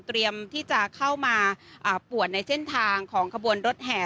เตรียมที่จะเข้ามาปวดในเส้นทางของกระบวนรถแห่